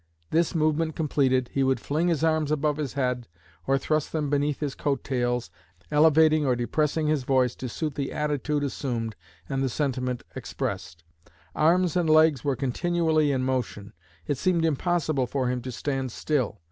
This movement completed, he would fling his arms above his head, or thrust them beneath his coat tails, elevating or depressing his voice to suit the attitude assumed and the sentiment expressed. Arms and legs were continually in motion. It seemed impossible for him to stand still.